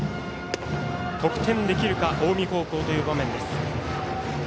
得点できるか近江高校という場面。